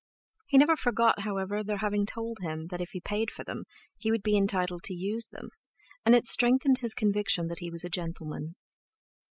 He never forgot, however, their having told him that if he paid for them he would be entitled to use them, and it strengthened his conviction that he was a gentleman.